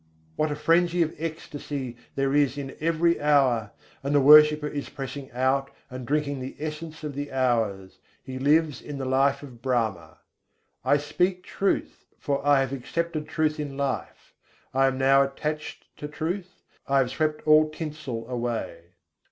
What a frenzy of ecstasy there is in every hour! and the worshipper is pressing out and drinking the essence of the hours: he lives in the life of Brahma. I speak truth, for I have accepted truth in life; I am now attached to truth, I have swept all tinsel away.